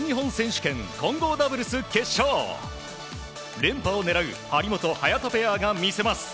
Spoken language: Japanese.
連覇を狙う張本、早田ペアが見せます。